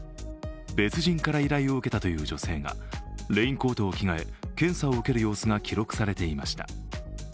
別人から依頼を受けたという女性がレインコートを着替え、検査を受ける様子が記録されていました。